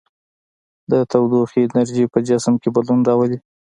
د تودوخې انرژي په جسم کې بدلون راولي.